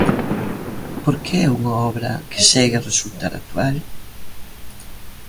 Por que é unha obra que segue a resultar actual?